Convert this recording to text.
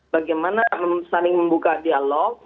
bagaimana saling membuka dialog